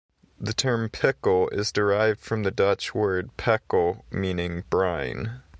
The term "pickle" is derived from the Dutch word "pekel", meaning "brine".